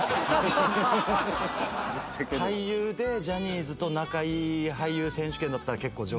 「俳優でジャニーズと仲いい俳優選手権だったら結構上位」